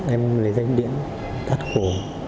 em lấy danh điện thất khổ